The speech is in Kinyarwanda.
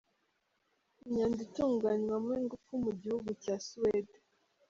Imyanda itunganywamo ingufu mu gihugu cya Suwede.